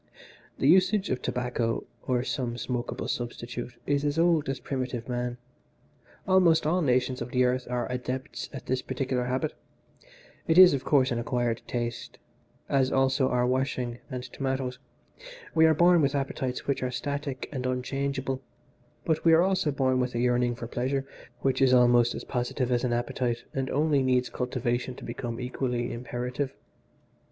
"The usage of tobacco, or some smokable substitute, is as old as primitive man. Almost all nations of the earth are adepts in this particular habit. It is, of course, an acquired taste, as also are washing and tomatoes. We are born with appetites which are static and unchangeable, but we are also born with a yearning for pleasure which is almost as positive as an appetite and only needs cultivation to become equally imperative.